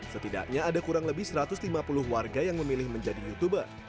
setidaknya ada kurang lebih satu ratus lima puluh warga yang memilih menjadi youtuber